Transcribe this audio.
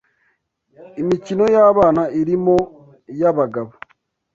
Imikino y’abana, imirimo y’abagabo